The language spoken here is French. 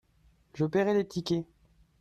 Je paierai les tickets.